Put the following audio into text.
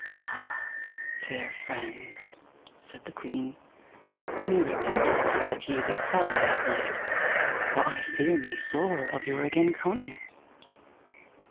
Ah, fair friend, said the queen, me repenteth that ye will follow that knight, for I fear me sore of your again coming.